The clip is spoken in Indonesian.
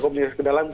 komunikasi ke dalam